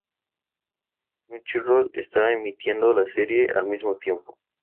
Crunchyroll está emitiendo la serie al mismo tiempo.